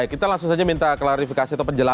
kita langsung saja minta klarifikasi atau penjelasan